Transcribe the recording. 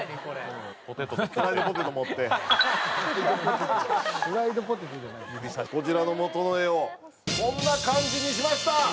こちらの元の絵をこんな感じにしました。